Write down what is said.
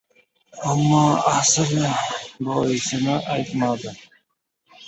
Ammo asl boisini aytmadi.